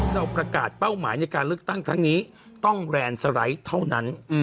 เราประกาศเป้าหมายในการเลือกตั้งครั้งนี้ต้องแลนด์สไลด์เท่านั้น